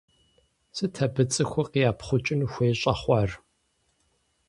Сыт абы цӀыхур къиӀэпхъукӀын хуей щӀэхъуар?